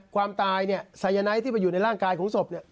ความตายทรายยนต์ที่อยู่ในร่างกายของศพ